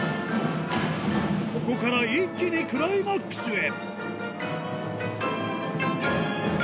ここから一気にクライマックスへ